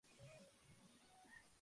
Al sudoeste aparece el cráter Cuvier.